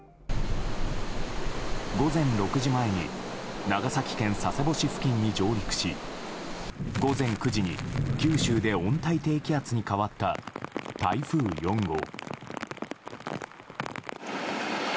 午前６時前に長崎県佐世保市付近に上陸し午前９時に、九州で温帯低気圧に変わった台風４号。